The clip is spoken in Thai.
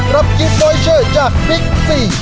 รับคิดโน้ยเชื่อจากบิ๊กซี่